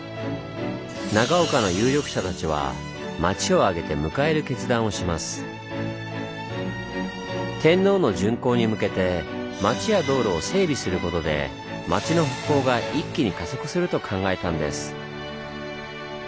長岡の有力者たちは天皇の巡幸に向けて町や道路を整備することで町の復興が一気に加速すると考えたんです。